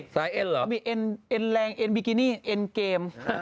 สายเอ็นเหรอมีเอ็นแรงเอ็นบิกินี่เอ็นเกม